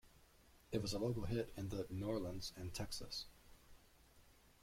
It was a local hit in the New Orleans and Texas.